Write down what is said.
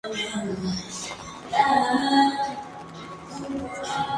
Como territorio fronterizo que era, contaba con una serie de guarniciones de jenízaros.